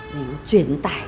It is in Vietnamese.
để mà truyền tải